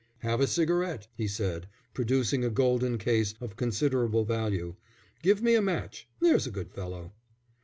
"Have a cigarette," he said, producing a golden case of considerable value. "Give me a match, there's a good fellow."